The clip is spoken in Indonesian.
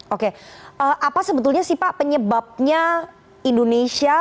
oke apa sebetulnya sih pak penyebabnya indonesia